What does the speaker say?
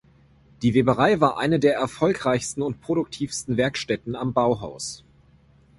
Die Weberei war eine der erfolgreichsten und produktivsten Werkstätten am Bauhaus.